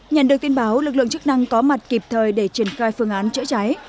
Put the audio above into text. nhận được tin báo lực lượng chức năng có mặt kịp thời để triển khai phương án chữa cháy